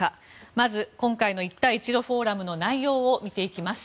まず今回の一帯一路フォーラムの内容を見ていきます。